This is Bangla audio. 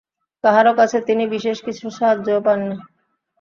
কাহারো কাছে তিনি বিশেষ কিছু সাহায্যও পান না।